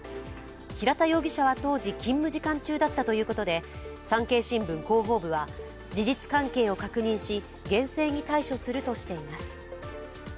平田容疑者は当時勤務時間中だったということで産経新聞広報部は事実関係を確認し厳正に対処するとしています。